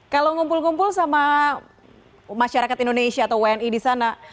kalau ngumpul ngumpul sama masyarakat indonesia atau wni di sana